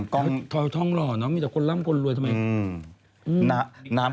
ตอนนี้อืมต้องหล่อเนอะมีแต่คนร่ำคนรวยทำไมอืมน้ำน้ำ